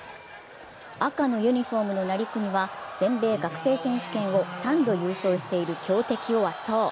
赤のユニフォームの成國は全米学生選手権を３度優勝している強敵を圧倒。